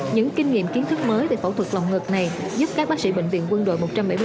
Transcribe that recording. những kinh nghiệm kiến thức mới về phẫu thuật lòng ngực này giúp các bác sĩ bệnh viện quân đội một trăm bảy mươi bốn